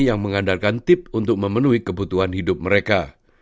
yang mengandalkan tip untuk memenuhi kebutuhan hidup mereka